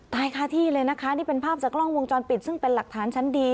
ค่าที่เลยนะคะนี่เป็นภาพจากกล้องวงจรปิดซึ่งเป็นหลักฐานชั้นดี